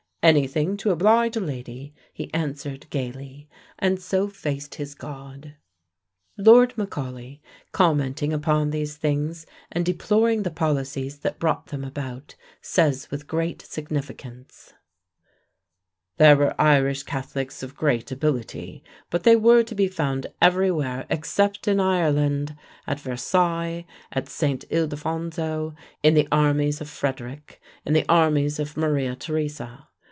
"Anything to oblige a lady," he answered gaily, and so faced his God. Lord Macaulay, commenting upon these things and deploring the policies that brought them about, says with great significance: "There were Irish Catholics of great ability, but they were to be found everywhere except in Ireland at Versailles, at St. Ildefonso, in the armies of Frederic, in the armies of Maria Theresa.